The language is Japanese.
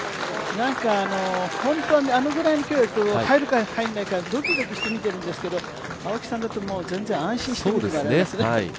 本当にあのぐらいの距離だと入るか入らないかドキドキして見てるんですけど青木さんだと全然安心してみてられますね。